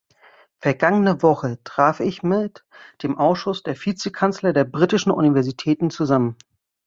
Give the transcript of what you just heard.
Vergangene Woche traf ich mit dem Ausschuss der Vizekanzler der britischen Universitäten zusammen.